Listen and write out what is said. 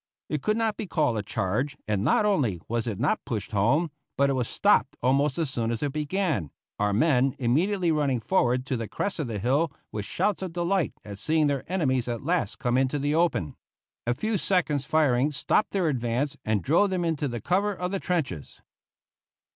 It could not be called a charge, and not only was it not pushed home, but it was stopped almost as soon as it began, our men immediately running forward to the crest of the hill with shouts of delight at seeing their enemies at last come into the open. A few seconds' firing stopped their advance and drove them into the cover of the trenches.